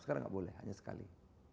sekarang nggak boleh hanya sekali